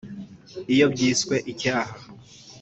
Iyo byiswe icyaha